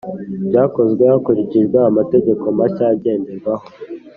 Byakozwe hakurikijwe amategeko mashya agenderwaho